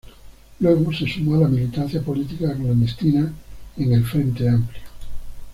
Luego se sumó a la militancia política clandestina en el Frente Amplio.